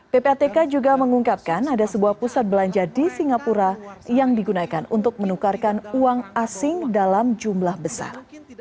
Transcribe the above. ppatk juga mengungkapkan ada sebuah pusat belanja di singapura yang digunakan untuk menukarkan uang asing dalam jumlah besar